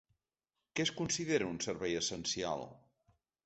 Què es considera un servei essencial?